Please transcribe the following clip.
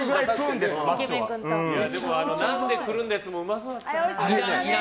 でも、ナンでくるんだやつもうまそうだった。